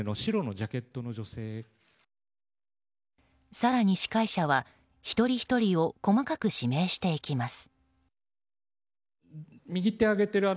更に司会者は一人ひとりを細かく指名していきます。